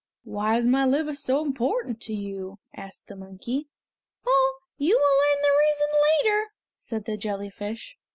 "Why is my liver so important to you?" asked the monkey. "Oh! you will learn the reason later," said the jellyfish.